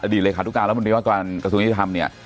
อดีตเลยค่ะทุกครั้งแล้วมันมีว่าการกระทรวงยุติธรรมเนี่ย